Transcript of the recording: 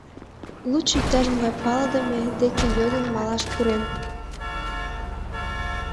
— Лучо иктаж-могай палыдыме деке йодын малаш пурем.